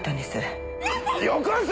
よこせ！